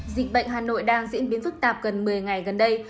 dịch bệnh hà nội đang diễn biến phức tạp gần một mươi ngày gần đây